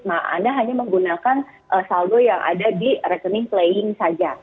nah anda hanya menggunakan saldo yang ada di rekening playing saja